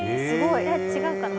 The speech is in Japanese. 違うかな？